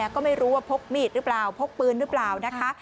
ก็ไม่รู้ว่าพกมีดหรือเปล่าพกปืนหรือเปล่านะคะ